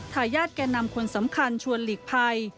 ทายาทแก่นำคนสำคัญชวนหลีกภัย